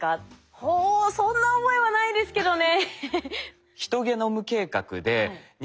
ほおそんな覚えはないですけどね。